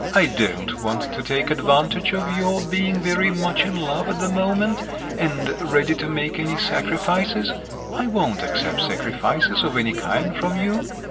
I don't want to take advantage of your being very much in love at the moment, and ready to make any sacrifices…. I won't accept sacrifices of any kind from you.